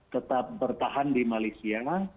tetap bertahan di malaysia